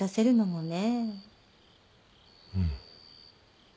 うん。